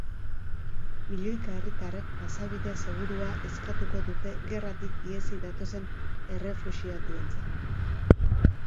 Milioika herritarrek pasabide segurua eskatuko dute gerratik ihesi datozen errefuxiatuentzat.